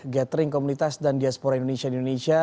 gathering komunitas dan diaspora indonesia di indonesia